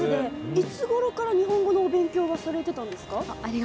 いつごろから日本語のお勉強はされてたんですか？